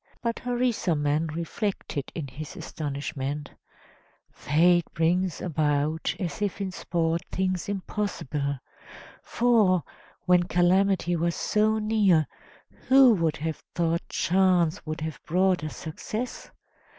But Harisarman reflected in his astonishment: "Fate brings about, as if in sport, things impossible; for, when calamity was so near, who would have thought chance would have brought us success?